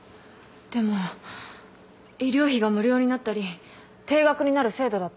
でも医療費が無料になったり低額になる制度だってありますよね？